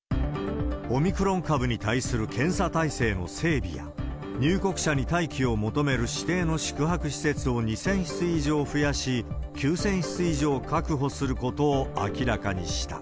オミクロン株に対する検査体制の整備や、入国者に待機を求める指定の宿泊施設を２０００室以上増やし、９０００室以上確保することを明らかにした。